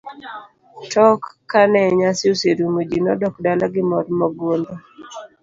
Tok kane nyasi oserumo ji nodok dala gi mor mogundho.